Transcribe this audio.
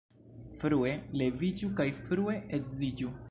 Frue leviĝu kaj frue edziĝu.